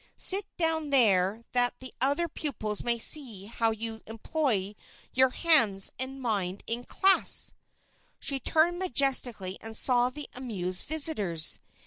Sit down there that the other pupils may see how you employ your hands and mind in class " She turned majestically and saw the amused visitors.